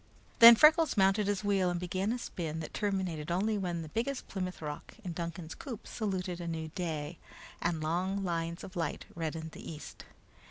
Then Freckles mounted his wheel and began a spin that terminated only when the biggest Plymouth Rock in Duncan's coop saluted a new day, and long lines of light reddened the east.